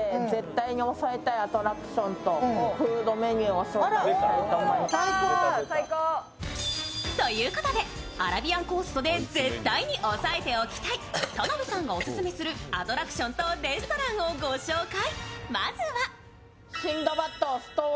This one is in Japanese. とてもね、異国情緒あふれてますね。ということでアラビアンコーストで絶対に押さえておきたい田辺さんがオススメするアトラクションとレストランをご紹介。